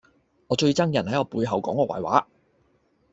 我最憎人喺我背後講我壞話